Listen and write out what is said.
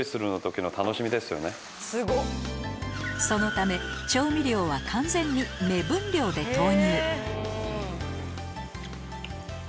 そのため調味料は完全に目分量で投入